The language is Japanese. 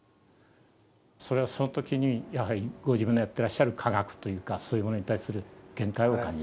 それはその時にやはりご自分がやってらっしゃる科学というかそういうものに対する限界をお感じになった？